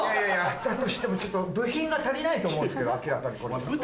だとしても部品が足りないと思うんですけど明らかに。